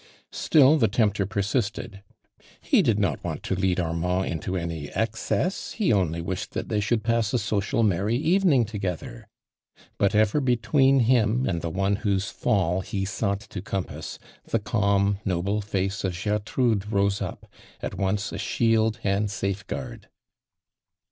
Still the tempter persisted. He did not want to leatl Armand into any excess — he only wished that they should pass a social merry evening together, but ever between him and the one whose fall he sought to compass, the calm noble face of Gertrude rose up, at once a shield and safe guard.